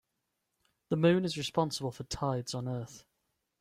The moon is responsible for tides on earth.